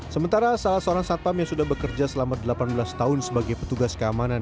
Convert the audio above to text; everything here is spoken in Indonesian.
sementara salah seorang satpam yang sudah bekerja selama delapan belas tahun sebagai petugas keamanan